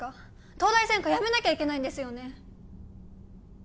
東大専科やめなきゃいけないんですよね？